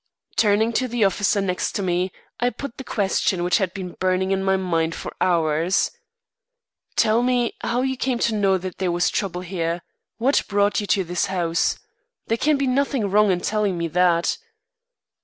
Turning to the officer next me, I put the question which had been burning in my mind for hours: "Tell me, how you came to know there was trouble here? What brought you to this house? There can be nothing wrong in telling me that."